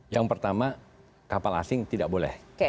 yang pertama kapal asing tidak boleh